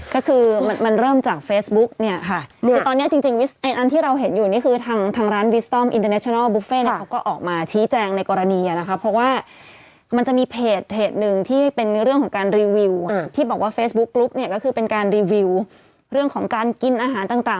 ก็คือมันมันเริ่มจากเฟซบุ๊กเนี่ยค่ะคือตอนเนี้ยจริงจริงไอ้อันที่เราเห็นอยู่นี่คือทางทางร้านวิสตอมอินเตอร์เนชนัลบุฟเฟ่เนี่ยเขาก็ออกมาชี้แจงในกรณีอ่ะนะคะเพราะว่ามันจะมีเพจหนึ่งที่เป็นเรื่องของการรีวิวที่บอกว่าเฟซบุ๊กกรุ๊ปเนี่ยก็คือเป็นการรีวิวเรื่องของการกินอาหารต่าง